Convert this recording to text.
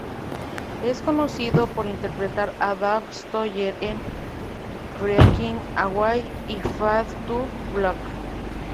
Es conocido por interpretar a Dave Stoller en "Breaking Away" y "Fade to Black".